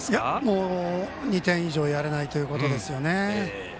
もう、２点以上やれないということですよね。